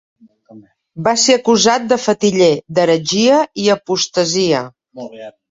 Va ser acusat de fetiller, d'heretgia i apostasia.